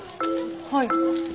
はい。